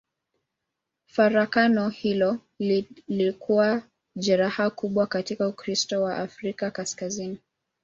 Farakano hilo lilikuwa jeraha kubwa katika Ukristo wa Afrika Kaskazini.